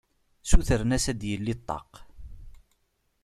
Sutren-as ad yeldi ṭṭaq.